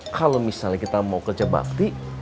kalau misalnya kita mau kerja bakti